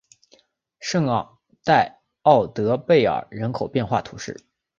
圣昂代奥德贝尔人口变化图示